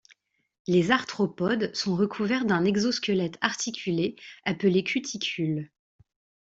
Les arthropodes sont recouverts d'un exosquelette articulé appelé cuticule.